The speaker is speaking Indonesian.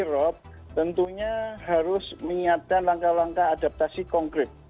irob tentunya harus mengingatkan langkah langkah adaptasi konkret